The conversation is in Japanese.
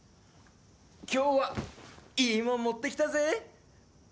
今日はいいもん持ってきたぜ！